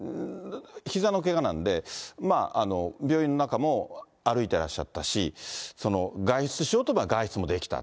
ひざのけがなんで、病院の中も歩いてらっしゃったし、外出しようと思えば外出もできた。